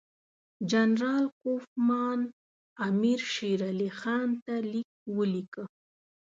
جنرال کوفمان امیر شېر علي خان ته لیک ولیکه.